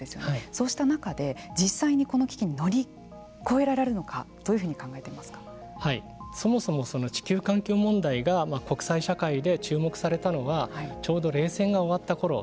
そうした中で、実際にこの危機を乗り越えられるのかそもそもその地球環境問題が国際社会で注目されたのはちょうど冷戦が終わったころ。